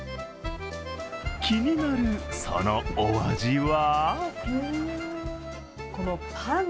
気になる、そのお味は？